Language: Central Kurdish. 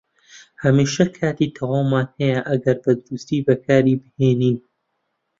هەمیشە کاتی تەواومان هەیە ئەگەر بەدروستی بەکاری بهێنین.